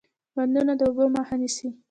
بندونه د اوبو مخه نیسي